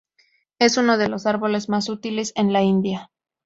Es uno de los árboles más útiles en la India.